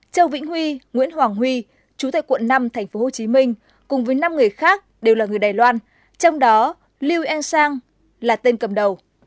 châu vĩnh huy nguyễn hoàng huy chú tại quận năm tp hcm cùng với năm người khác đều là người đài loan trong đó lưu ensang là tên cầm đầu